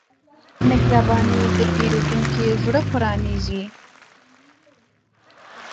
مهرباني د پیرودونکي زړه پرانیزي.